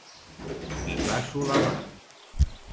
M'hi passo la mà.